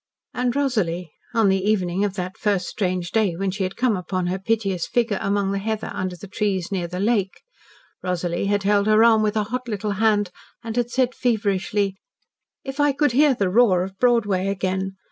And Rosalie on the evening of that first strange day when she had come upon her piteous figure among the heather under the trees near the lake Rosalie had held her arm with a hot little hand and had said feverishly: "If I could hear the roar of Broadway again!